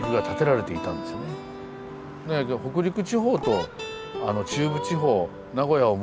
北陸地方と中部地方名古屋を結ぶ